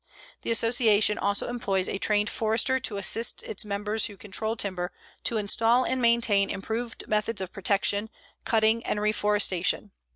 The Association also employs a trained forester to assist its members who control timber to install and maintain improved methods of protection, cutting and reforestation.